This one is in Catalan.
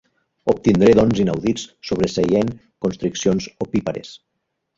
Obtindré dons inaudits sobreseient constriccions opípares.